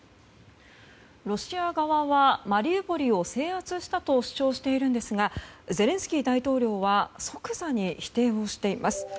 ロシア側はマリウポリを制圧したと主張しているんですがゼレンスキー大統領は即座に否定をしています。